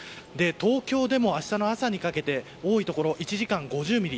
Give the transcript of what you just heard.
東京でも明日の朝にかけて多いところ１時間５０ミリ。